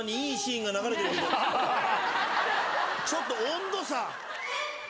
ちょっと温度差。